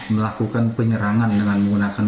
melakukan penyerangan dengan menggunakan